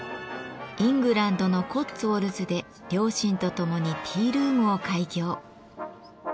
イングランドのコッツウォルズで両親と共にティールームを開業。